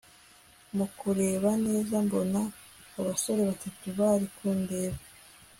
mukureba neza mbona abasore batatu bari kundeba